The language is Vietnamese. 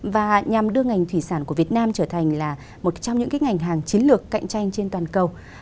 và nhằm đưa ngành thủy sản của việt nam trở thành một trong những ngành hàng chiến lược cạnh tranh trên toàn cầu